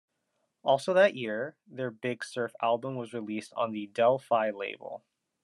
Also that year, their "Big Surf" album was released on the Del-Fi label.